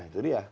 nah itu dia